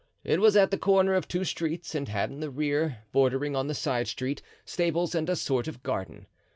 It was at the corner of two streets and had in the rear, bordering on the side street, stables and a sort of garden.